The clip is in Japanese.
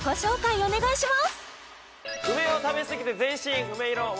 お願いします！